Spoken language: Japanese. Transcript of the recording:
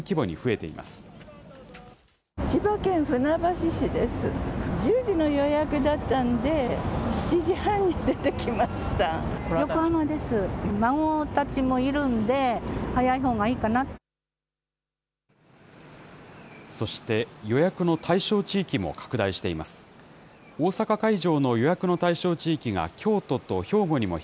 そして、予約の対象地域も拡大しています。